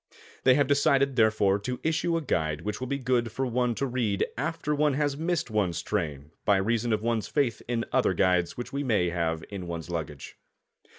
They have decided, therefore, to issue a guide which will be good for one to read after one has missed one's train by reason of one's faith in other guides which we may have in one's luggage.